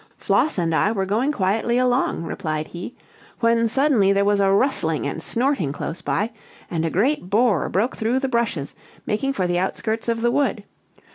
"Floss and I were going quietly along," replied he, "when suddenly there was a rustling and snorting close by, and a great boar broke through the brushes, making for the outskirts of the wood.